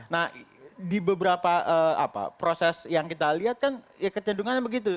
nah di beberapa proses yang kita lihat kan ya kecenderungannya begitu